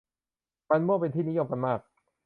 มันม่วงเป็นที่นิยมกันมาก